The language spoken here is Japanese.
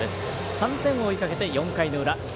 ３点を追いかけて４回の裏。